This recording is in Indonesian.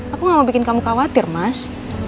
aku gak mau bikin kamu khawatir mas